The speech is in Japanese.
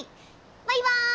バイバイ！